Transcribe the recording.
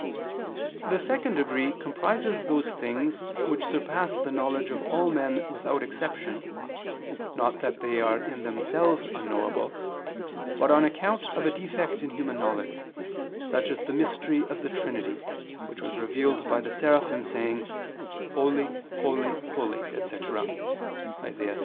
The second degree comprises those things which surpass the knowledge of all men without exception, not that they are in themselves unknowable, but on account of a defect in human knowledge; such as the mystery of the Trinity, which was revealed by the Seraphim saying: "Holy, Holy, Holy," etc. (Isa.